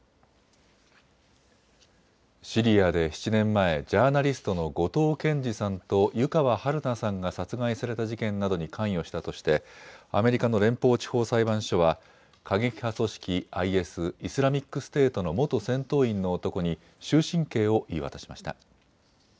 シリアで７年前、ジャーナリストの後藤健二さんと湯川遥菜さんが殺害された事件などに関与したとしてアメリカの連邦地方裁判所は過激派組織ＩＳ・イスラミックステートの元戦闘員の男に終身刑を言い渡しました。